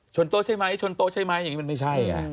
โต๊ะใช่ไหมชนโต๊ะใช่ไหมอย่างนี้มันไม่ใช่ไง